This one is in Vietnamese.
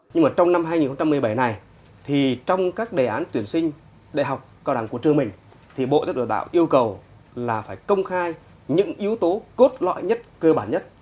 nhưng mà trong năm hai nghìn một mươi bảy này thì trong các đề án tuyển sinh đại học cao đẳng của trường mình thì bộ giáo dục đào tạo yêu cầu là phải công khai những yếu tố cốt lõi nhất cơ bản nhất